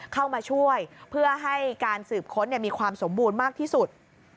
เข้ามาช่วยเพื่อให้การสืบค้นมีความสมบูรณ์มากที่สุด